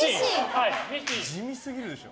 地味すぎるでしょ。